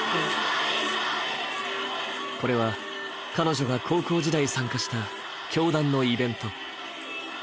これは彼女が高校時代参加した教団のイベント。